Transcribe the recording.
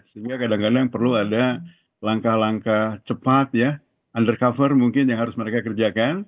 sehingga kadang kadang perlu ada langkah langkah cepat ya undercover mungkin yang harus mereka kerjakan